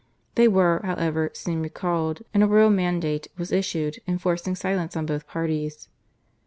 They were, however, soon recalled, and a royal mandate was issued enforcing silence on both parties.